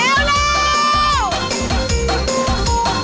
เวลาดีเล่นหน่อยเล่นหน่อย